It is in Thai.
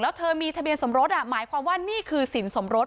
แล้วเธอมีทะเบียนสมรสหมายความว่านี่คือสินสมรส